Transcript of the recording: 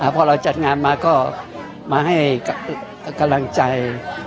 พอเราจัดงานมาก็มาให้กำลังใจ